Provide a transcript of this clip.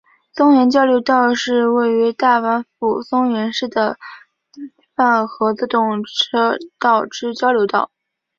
松原交流道是位于大阪府松原市的阪和自动车道之交流道。